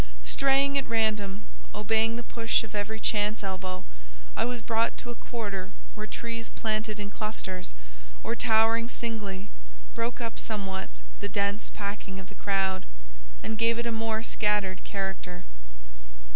Straying at random, obeying the push of every chance elbow, I was brought to a quarter where trees planted in clusters, or towering singly, broke up somewhat the dense packing of the crowd, and gave it a more scattered character.